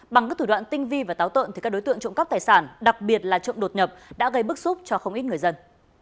bằng các thủ đoạn tinh vi và táo tợn thì các đối tượng trộm cắp tài sản đặc biệt là trộm đột nhập đã gây bức xúc cho không ít người dân